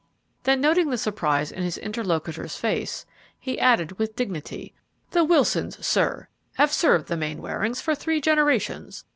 Then, noting the surprise in his interlocutor's face, he added, with dignity, "The Wilsons, sir, have served the Mainwarings for three generations.